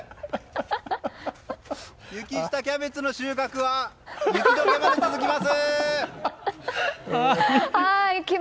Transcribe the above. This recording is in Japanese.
雪下キャベツの収穫は雪解けまで続きます！